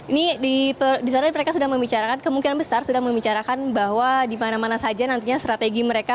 ini disana mereka sudah membicarakan kemungkinan besar sudah membicarakan bahwa dimana mana saja nantinya strategi mereka